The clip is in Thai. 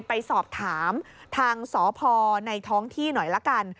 ไปสอบถามทางสพในท้องที่หน่อยละกัน